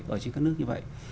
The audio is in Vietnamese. ở trên các nước như vậy